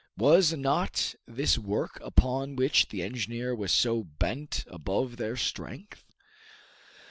Was not this work upon which the engineer was so bent above their strength?